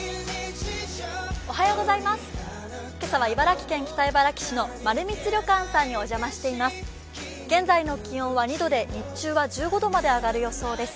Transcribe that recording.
今朝は茨城県北茨城市のまるみつ旅館さんにお邪魔しています。